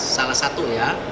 salah satu ya